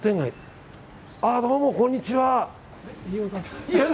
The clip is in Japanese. どうも、こんにちは。